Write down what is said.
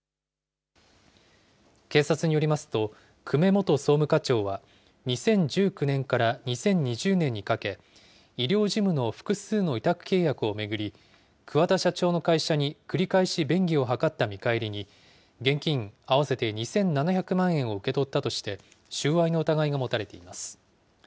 警察によりますと、久米元総務課長は２０１９年から２０２０年にかけ、医療事務の複数の委託契約を巡り、くわ田社長の会社に繰り返し便宜を図った見返りに、現金合わせて２７００万円を受け取ったとして、収賄の疑いが持たれています。